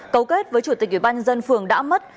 cấu kết với chủ tịch ủy ban nhân dân phường đã mất